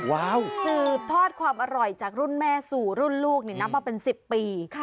ว้าวสืบทอดความอร่อยจากรุ่นแม่สู่รุ่นลูกนี่นับมาเป็น๑๐ปี